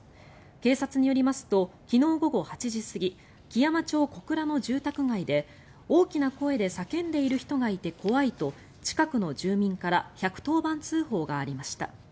警察によりますと昨日午後８時過ぎ基山町の住宅街で大きな声で叫んでいる人がいて怖いと近くの住民から１１０番通報がありました。